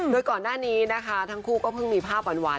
โดยก่อนหน้านี้นะคะทั้งคู่ก็เพิ่งมีภาพหวาน